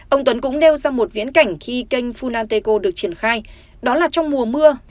ông tuấn cũng nêu ra một viễn cảnh khi kênh funanteco được triển khai đó là trong mùa mưa